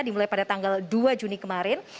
dimulai pada tanggal dua juni kemarin